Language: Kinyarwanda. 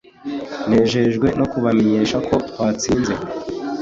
nejejwe no kubamenyesha ko twatsinze